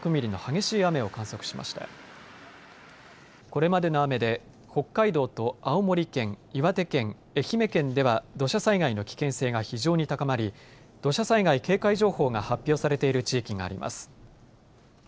これまでの雨で北海道と青森県、岩手県、愛媛県では土砂災害の危険性が非常に高まり土砂災害警戒情報が発表されている地域があります。